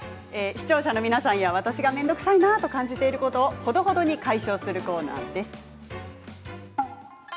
視聴者の皆さんや私が面倒くさいなと感じていることをほどほどに解消するコーナーです。